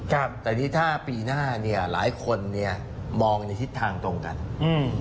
ครับแต่นี่ถ้าปีหน้าเนี้ยหลายคนเนี้ยมองในทิศทางตรงกันอืม